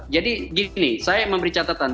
jadi gini saya memberi catatan